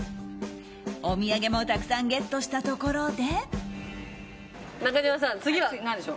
お土産もたくさんゲットしたところで。